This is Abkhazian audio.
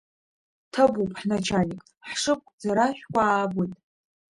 Ҭабуп, ҳначальник, ҳшыгәцарашәкуа аабоит.